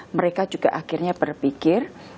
mereka juga akhirnya berpikir